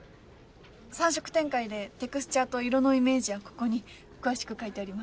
３色展開でテクスチャーと色のイメージはここに詳しく書いてあります。